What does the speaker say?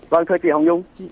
vâng thưa chị hồng nhung